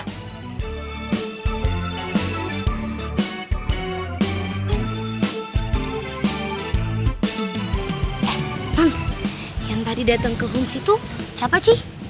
eh mams yang tadi datang ke homes itu siapa sih